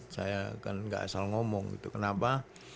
saya kan nggak asal ngomong itu kenapa